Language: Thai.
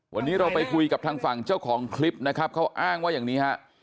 วันนี้เราไปคุยกับทางฝั่งเจ้าของคลิปนะครับเขาอ้างว่าอย่างนี้ฮะ